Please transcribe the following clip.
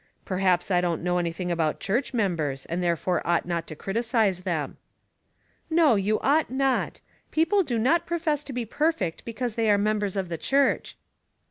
Perhaps I don't know anything about church mem bars, and therefore ought not to criticise them." " No, you ought not. People do not profess to be perfect because they are members of the church."